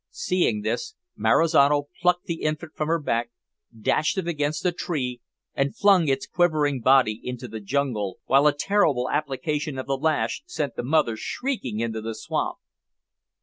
Seeing this, Marizano plucked the infant from her back, dashed it against a tree, and flung its quivering body into the jungle, while a terrible application of the lash sent the mother shrieking into the swamp.